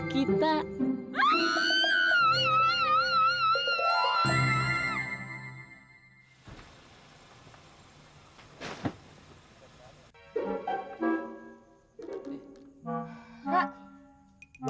kau tahu gak